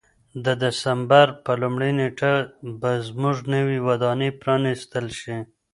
د دسمبر په لومړۍ نېټه به زموږ نوې ودانۍ پرانیستل شي.